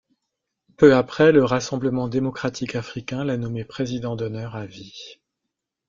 Peu après, le Rassemblement démocratique africain l'a nommé président d'honneur à vie.